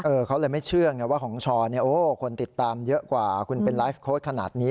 เขาเลยไม่เชื่อไงว่าของชอเนี่ยโอ้คนติดตามเยอะกว่าคุณเป็นไลฟ์โค้ดขนาดนี้